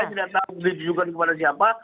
saya tidak tahu ditujukan kepada siapa